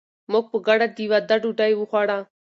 موږ په ګډه د واده ډوډۍ وخوړه.